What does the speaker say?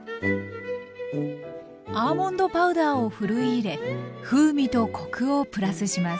アーモンドパウダーをふるい入れ風味とコクをプラスします。